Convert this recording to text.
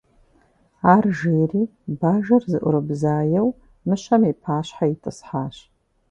Ар жери бажэр зыӀурыбзаеу мыщэм и пащхьэ итӀысхьащ.